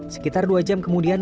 sekitar dua jam kemudian